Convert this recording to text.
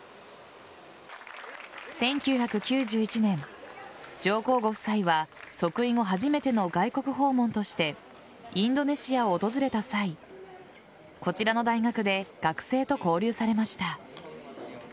１９９１年上皇ご夫妻は即位後初めての外国訪問としてインドネシアを訪れた際こちらの大学で学生と交流されました。